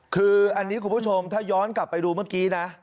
คืออันนี้คุณผู้ชมถ้าย้อนกลับไปดูเมื่อกี้นะ